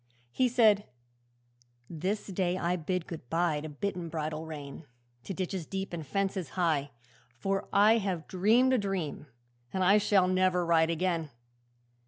He said, 'This day I bid good bye To bit and bridle rein, To ditches deep and fences high, For I have dreamed a dream, and I Shall never ride again.